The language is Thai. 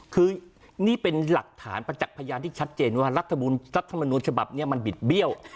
คือนี่เป็นหลักฐานประจักษ์พยานที่ชัดเจนว่ารัฐมนุนฉบับนี้มันบิดเบี้ยว